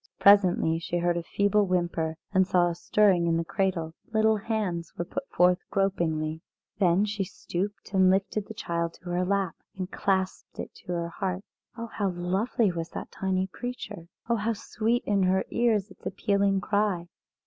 Presently she heard a feeble whimper and saw a stirring in the cradle; little hands were put forth gropingly. Then she stooped and lifted the child to her lap, and clasped it to her heart. Oh, how lovely was that tiny creature! Oh, how sweet in her ears its appealing cry!